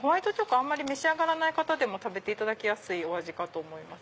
あんまり召し上がらない方でも食べていただきやすいお味かと思います。